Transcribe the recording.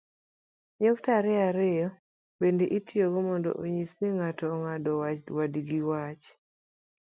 nyukta ariyo ariyo bende itiyogo mondo onyis ni ng'ato ong'ado nyawadgi iwach